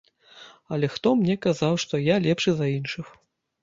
Але хто мне казаў, што я лепшы за іншых?